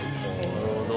なるほど。